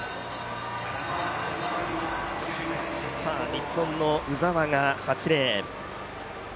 日本の鵜澤が８レーン。